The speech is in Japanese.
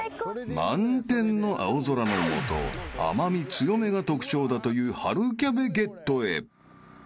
［満天の青空の下甘味強めが特長だという春キャベゲットへ］